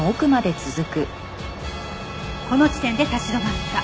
この地点で立ち止まった。